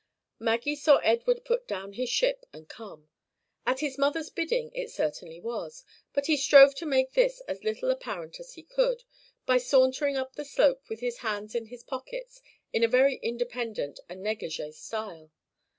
Maggie saw Edward put down his ship and come. At his mother's bidding it certainly was; but he strove to make this as little apparent as he could, by sauntering up the slope, with his hands in his pockets, in a very independent and négligé style.